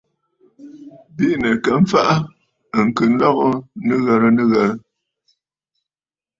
Bìʼinə̀ ka fàʼà, ɨ kɨ lɔ̀gə̀ nɨghərə nɨghərə.